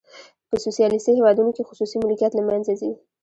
په سوسیالیستي هیوادونو کې خصوصي ملکیت له منځه ځي.